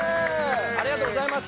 ありがとうございます。